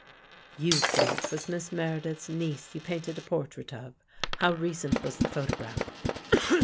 " You say it was Miss Meredith's niece you painted a portrait of? How recent was the photo graph?"